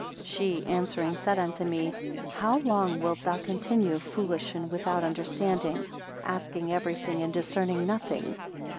68 She answering said unto me: How long wilt thou continue foolish and without understanding, asking everything and discerning nothing?